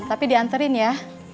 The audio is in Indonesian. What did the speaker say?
tapi diantarin ya